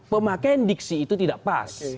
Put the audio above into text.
pemakaian diksi itu tidak pas